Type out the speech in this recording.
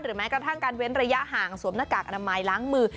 แม้กระทั่งการเว้นระยะห่างสวมหน้ากากอนามัยล้างมือ